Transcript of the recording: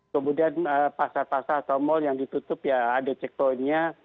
kemudian pasar pasar atau mal yang ditutup ya ada checkpointnya